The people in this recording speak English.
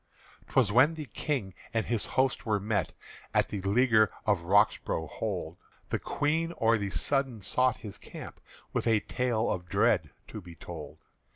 'T was when the King and his host were met At the leaguer of Roxbro' hold, The Queen o' the sudden sought his camp With a tale of dread to be told.